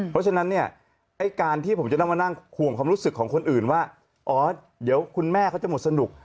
เพราะฉะนั้นเนี่ยไอ้การที่ผมจะต้องมานั่งห่วงความรู้สึกของคนอื่นว่าอ๋อเดี๋ยวคุณแม่เขาจะหมดสนุก